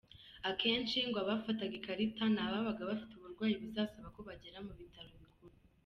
Akenshi ngo abafataga ikarita ni ababaga bafite uburwayi buzasaba ko bagera mu Bitaro Bikuru.